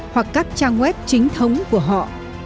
hoặc các trang web chính thống của họ